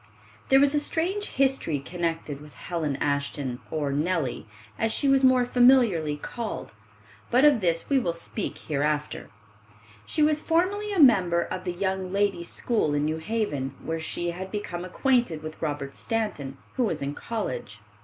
There was a strange history connected with Helen Ashton, or Nellie, as she was more familiarly called, but of this we will speak hereafter. She was formerly a member of the young ladies' school in New Haven, where she had become acquainted with Robert Stanton, who was in college.